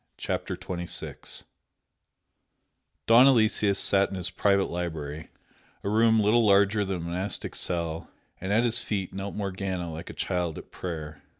CHAPTER XXVI Don Aloysius sat in his private library, a room little larger than a monastic cell, and at his feet knelt Morgana like a child at prayer.